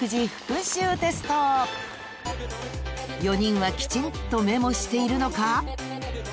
［４人はきちんとメモしているのか？］